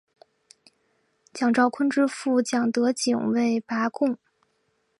蒋兆鲲之父蒋德璟为拔贡。